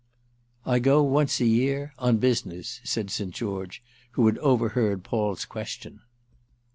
"I go once a year—on business," said St. George, who had overheard Paul's question.